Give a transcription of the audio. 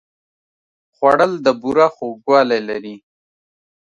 خوړل د بوره خوږوالی لري